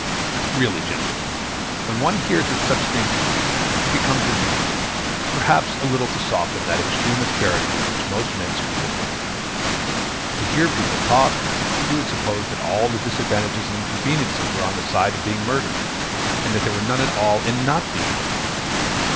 Really, gentlemen, when one hears of such things as these, it becomes a duty, perhaps, a little to soften that extreme asperity with which most men speak of murder. To hear people talk, you would suppose that all the disadvantages and inconveniences were on the side of being murdered, and that there were none at all in not being murdered.